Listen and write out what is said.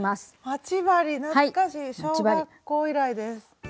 待ち針懐かしい小学校以来です。